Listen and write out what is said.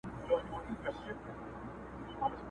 د پنیر ټوټه ترې ولوېده له پاسه!!